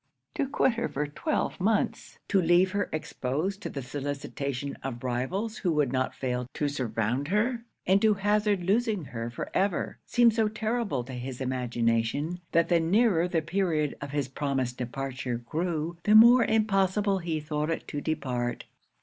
To quit her for twelve months, to leave her exposed to the solicitation of rivals who would not fail to surround her, and to hazard losing her for ever, seemed so terrible to his imagination, that the nearer the period of his promised departure grew, the more impossible he thought it to depart.